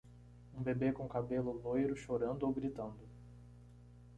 Um bebê com cabelo loiro chorando ou gritando.